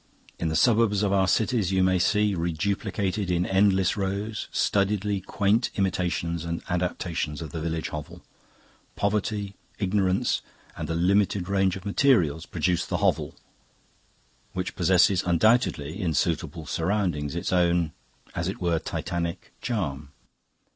In the suburbs of our cities you may see, reduplicated in endless rows, studiedly quaint imitations and adaptations of the village hovel. Poverty, ignorance, and a limited range of materials produced the hovel, which possesses undoubtedly, in suitable surroundings, its own 'as it were titanic' charm.